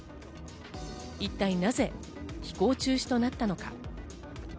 一体なぜ飛行中止となったのか？